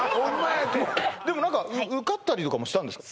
やてでも何か受かったりとかもしたんですか？